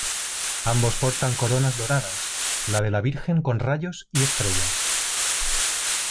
Ambos portan coronas doradas, la de la Virgen con rayos y estrellas.